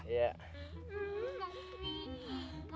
aduh ini udah berapa